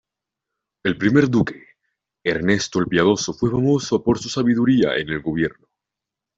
El primer duque, Ernesto el Piadoso fue famoso por su sabiduría en el gobierno.